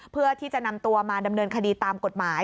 เพื่อที่จะนำตัวมาดำเนินคดีตามกฎหมาย